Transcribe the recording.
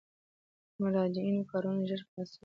د مراجعینو کارونه ژر خلاصیږي؟